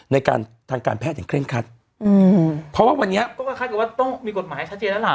ในการทางการแพทย์อย่างเร่งคัดอืมเพราะว่าวันนี้ก็ก็คาดกันว่าต้องมีกฎหมายชัดเจนแล้วล่ะ